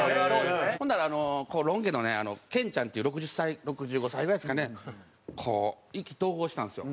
ほんならロン毛のねケンちゃんっていう６０歳６５歳ぐらいですかね意気投合したんですよ。